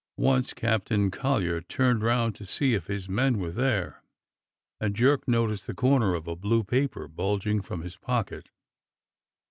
Once Captain 279 280 DOCTOR SYN Collyer turned round to see if his men were there, and Jerk noticed the corner of a blue paper bulging from his pocket.